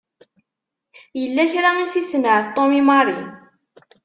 Yella kra i s-isenɛet Tom i Mary.